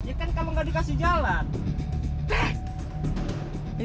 ya kan kalau nggak dikasih jalan